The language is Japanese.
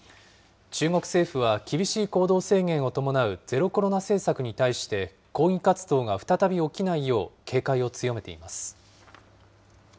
中国政府は厳しい行動制限を伴うゼロコロナ政策に対して、抗議活動が再び起きないよう、警戒を強めています。